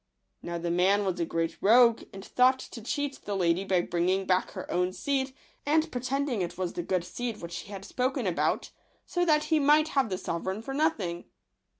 Now the man was a great rogue, and thought to cheat the lady by bringing back her own seed, and pretending it was the good seed which he had spoken about; so that he might have the sovereign for no thing.